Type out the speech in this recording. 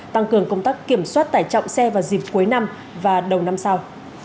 tăng cường công tác kiểm soát tải trọng xe vào dịp cuối năm và đầu năm sau